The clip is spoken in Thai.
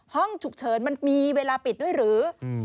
ห้องฉุกเฉินมันมีเวลาปิดด้วยหรือ